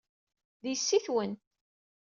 D yessi-twen!